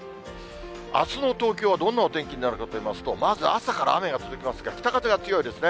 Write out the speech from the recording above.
あすの東京はどんなお天気になるかといいますと、まず朝から雨が続きますが、北風が強いですね。